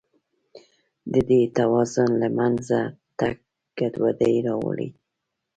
د دې توازن له منځه تګ ګډوډي راولي.